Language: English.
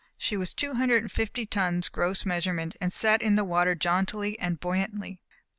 She was two hundred and fifty tons gross measurement and sat in the water jauntily and buoyantly.